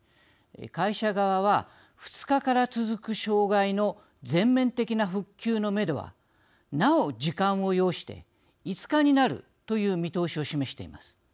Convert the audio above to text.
会社側は、２日から続く障害の全面的な復旧のめどはなお時間を要して５日になるという見通しを示しています。